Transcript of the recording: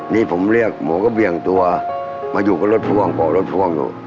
นี่ผมเรียกหมูก็เบี่ยงตัวมาอยู่กับรถพ่วงบอกรถพ่วงอยู่